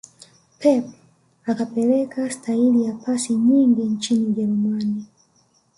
pep akapeleka staili ya pasi nyingi nchini ujerumani